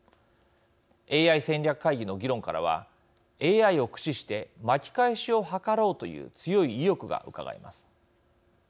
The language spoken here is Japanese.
ＡＩ戦略会議の議論からはＡＩを駆使して巻き返しを図ろうという強い意欲がうかがえます。